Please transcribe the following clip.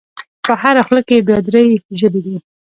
په هره خوله کې یې بیا درې ژبې دي.